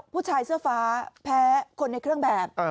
ผู้ชายเสื้อฟ้าแพ้คนในเครื่องแบบ